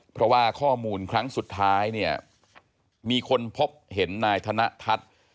เพราะว่าข้อมูลครั้งสุดท้ายเนี่ยมีคนพบเห็นนายธนทัศน์